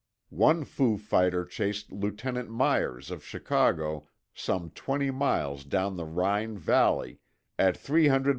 One foo fighter chased Lieutenant Meiers of Chicago some 20 miles down the Rhine Valley, at 300 m.